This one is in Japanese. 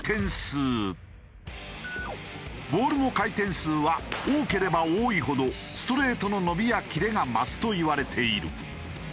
ボールの回転数は多ければ多いほどストレートの伸びやキレが増すといわれている。